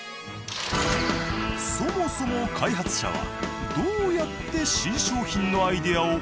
そもそも開発者はどうやって新商品のアイデアを考えている？